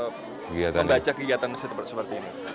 pendaca kegiatan seperti ini